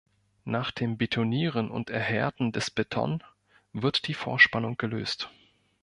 Nach dem Betonieren und Erhärten des Beton wird die Vorspannung gelöst.